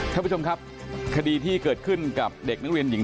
ท่านผู้ชมครับคดีที่เกิดขึ้นกับเด็กนักเรียนหญิง